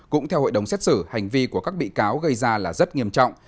cũng theo hội đồng xét xử hành vi của các bị cáo gây ra là rất nghiêm trọng